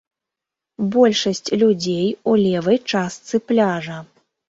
Большасць людзей у левай частцы пляжа.